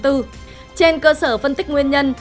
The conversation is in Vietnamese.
trên cơ sở phân tích nguyên nhân